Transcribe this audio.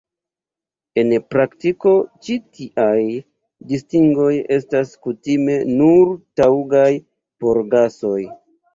En praktiko, ĉi tiaj distingoj estas kutime nur taŭgaj por gasoj.